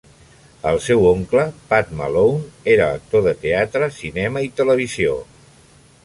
El seu oncle, Pat Malone, era actor de teatre, cinema i televisió.